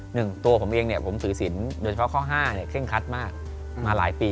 หนึ่งตัวผมเองผมสื่อสินโดยเฉพาะข้อ๕เคร่งครัดมาก